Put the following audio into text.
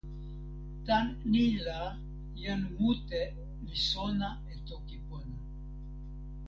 tan ni la, jan mute li sona e toki pona.